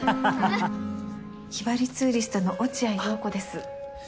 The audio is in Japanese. ヒバリツーリストの落合洋子です。